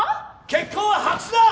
結婚は白紙だ！